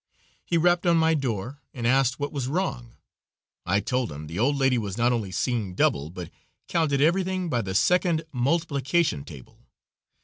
He rapped on my door, and asked what was wrong. I told him the old lady was not only seeing double, but counted everything by the second multiplication table.